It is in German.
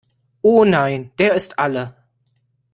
Oh nein, der ist alle!